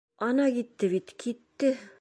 Ана китте бит, китте!